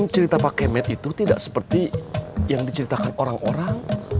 cerita pak kemet itu tidak seperti yang diceritakan orang orang